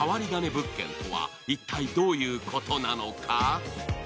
物件とは一体どういうことなのか。